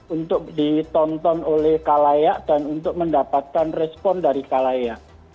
untuk ditonton oleh kalayak dan untuk mendapatkan respon dari kalayak